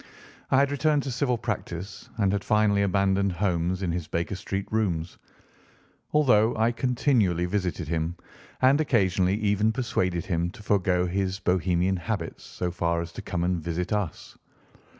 I had returned to civil practice and had finally abandoned Holmes in his Baker Street rooms, although I continually visited him and occasionally even persuaded him to forgo his Bohemian habits so far as to come and visit us.